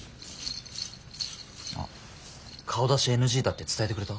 あっ顔出しＮＧだって伝えてくれた？